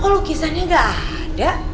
lukisannya gak ada